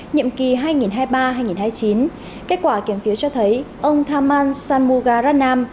nhiệm kỳ hai nghìn hai mươi ba hai nghìn hai mươi chín kết quả kiểm phiếu cho thấy ông thamman sanmugaranam